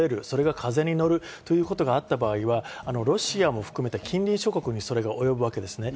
それが風に乗るということがあった場合は、ロシアも含めて近隣諸国にそれが及ぶわけです。